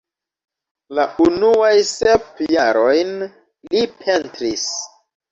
La unuajn sep jarojn li pentris.